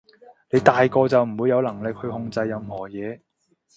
你大個就唔會有能力去控制任何嘢